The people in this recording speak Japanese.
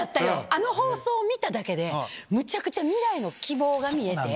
あの放送を見ただけで、むちゃくちゃ未来の希望が見えて。